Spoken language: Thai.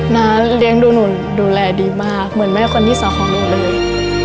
น้าเลี้ยงดูหนูดูแลดีมากเหมือนแม่คนที่สองของหนูเลย